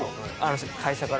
会社から